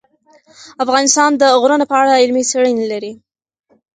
افغانستان د غرونه په اړه علمي څېړنې لري.